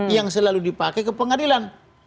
yang selalu dipakai ke pengadilan